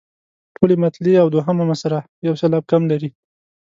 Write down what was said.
ټولې مطلعې او دوهمه مصرع یو سېلاب کم لري.